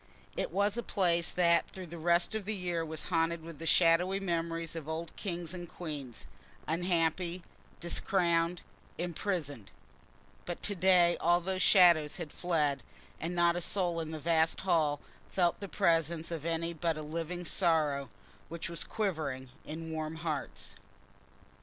It was a place that through the rest of the year was haunted with the shadowy memories of old kings and queens, unhappy, discrowned, imprisoned; but to day all those shadows had fled, and not a soul in the vast hall felt the presence of any but a living sorrow, which was quivering in warm hearts.